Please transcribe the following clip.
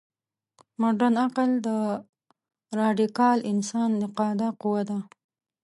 مډرن عقل د راډیکال انسان نقاده قوه ده.